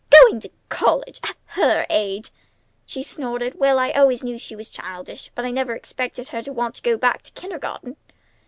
"Going to college! At her age!" she snorted. "Well, I always knew she was childish, but I never expected her to want to go back to kindergarten!"